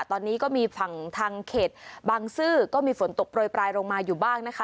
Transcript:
ตอนนี้ก็มีฝั่งทางเขตบางซื่อก็มีฝนตกโปรยปลายลงมาอยู่บ้างนะคะ